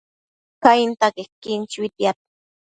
Cainta quequin chuitiad